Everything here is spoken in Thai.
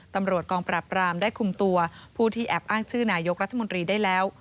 ตำรวจกองปราบรามได้คุมตัวผู้ที่แอบอ้างชื่อนายกรัฐมนตรีได้แล้ว